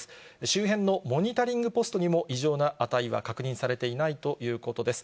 周辺のモニタリングポストにも異常な値は確認されていないということです。